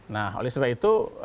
nah oleh sebab itu